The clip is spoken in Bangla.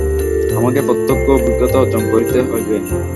আমাকে প্রত্যক্ষ অভিজ্ঞতা অর্জন করিতে হইবে।